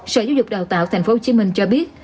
sở giáo dục đào tạo tp hcm cho biết